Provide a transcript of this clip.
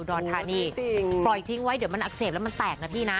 เดี๋ยวมันอักเสบแล้วมันแตก